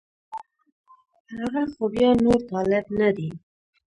هغه خو بیا نور طالب نه دی